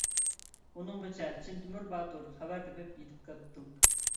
ئۇنىڭغىچە چىن تۆمۈر باتۇر خەۋەر تېپىپ يېتىپ كەپتۇ.